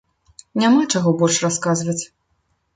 Няма чаго больш расказваць.